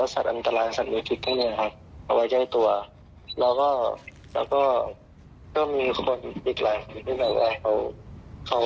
ศัตรย์อันตรายแก่ไชต์ที่นี่ค่ะ